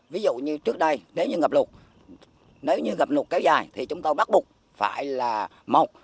ví dụ như trước đây nếu như ngập lụt nếu như gặp lụt kéo dài thì chúng tôi bắt buộc phải là mộc